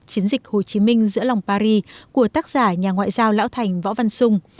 chiến dịch hồ chí minh giữa lòng paris của tác giả nhà ngoại giao lão thành võ văn sung